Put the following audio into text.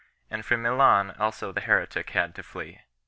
367 and from Milan also the heretic had to flee.